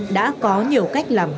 đã có nhiều cách làm hạch